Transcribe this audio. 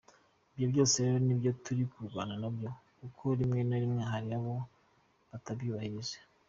Ibyo byose rero nibyo turi kurwana nabyo, kuko rimwe na rimwe hari ubwo batabyubahiriza”.